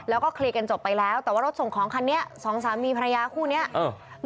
แล้วก็เคลียร์กันจบไปแล้วแต่ว่ารถส่งของคันนี้สองสามีภรรยาคู่เนี้ยเออ